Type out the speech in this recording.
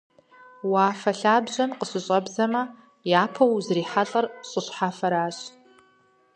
Уафэ лъабжьэм къыщыщӀэбдзэмэ, япэу узрихьэлӀэр щӀы щхьэфэращ.